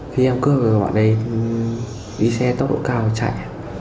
khi em cướp bạn đấy đi xe tốc độ cao chạy